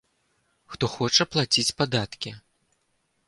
Хто хоча плаціць падаткі?